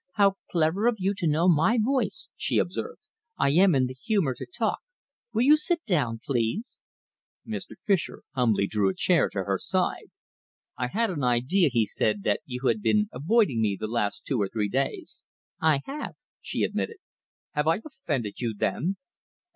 "How clever of you to know my voice!" she observed. "I am in the humour to talk. Will you sit down, please?" Mr. Fischer humbly drew a chair to her side. "I had an idea," he said, "that you had been avoiding me the last two or three days." "I have," she admitted. "Have I offended you, then?"